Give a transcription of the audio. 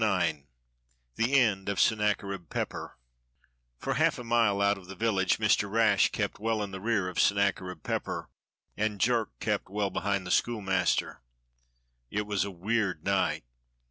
CHAPTER IX THE END OF SENNACHERIB PEPPER FOR half a mile out of the village Mr. Rash kept well in the rear of Sennacherib Pepper, and Jerk kept well behind the schoolmaster. It was a weird night.